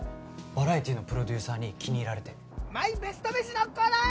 バラエティーのプロデューサーに気に入られてマイベスト飯のコーナー！